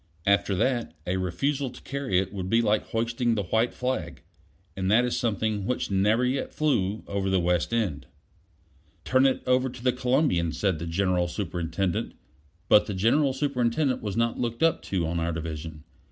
After that, a refusal to carry it would be like hoisting the white flag; and that is something which never yet flew over the West End. "Turn it over to the Columbian," said the General Superintendent; but the General Superintendent was not looked up to on our division.